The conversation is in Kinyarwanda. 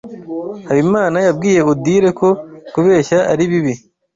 Habimana yabwiye Odile ko kubeshya ari bibi.